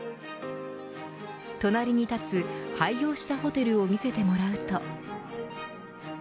隣に建つ廃業したホテルを見せてもらうと。